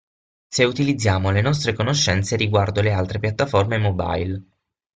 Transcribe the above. Se utilizziamo le nostre conoscenze riguardo le altre piattaforme mobile.